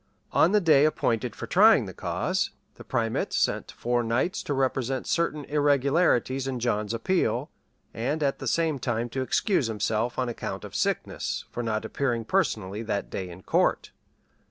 On the day appointed for trying the cause, the primate sent four knights to represent certain irregularities in John's appeal; and at the same time to excuse himself, on account of sickness, for not appearing personally that day in the court.